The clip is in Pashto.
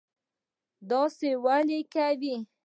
داسی ولې کوي